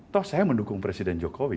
toh saya mendukung presiden jokowi